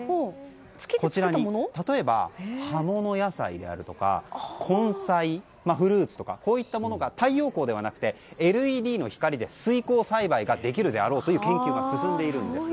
こちらに例えば葉物野菜であるとか根菜、フルーツとかこういったものが太陽光ではなくてＬＥＤの光で水耕栽培ができるであろうという研究が進んでいるんです。